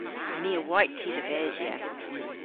My a wayt ty dhe besya.